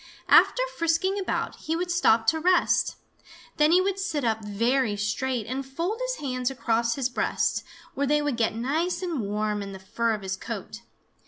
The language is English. After frisking about he would stop to rest. Then he would sit up very straight and fold his hands across his breast, where they would get nice and warm in the fur of his coat.